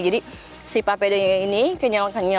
jadi si pupeda ini ini pilihan yang paling menarik